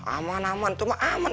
aman aman cuma aman